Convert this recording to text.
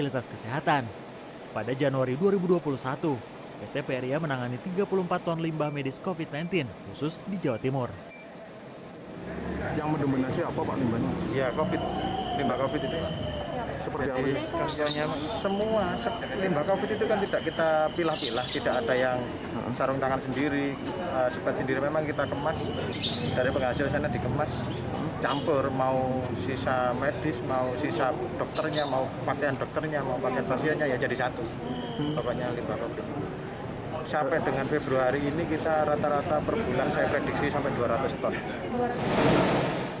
kita rata rata per bulan saya prediksi sampai dua ratus ton